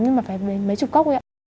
nhưng mà phải đến mấy chục cốc ấy ạ